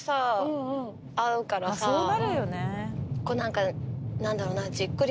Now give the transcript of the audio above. こう何か何だろうな。